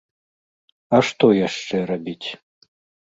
А што яшчэ рабіць?